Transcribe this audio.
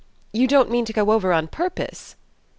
You don't mean to go over on purpose?"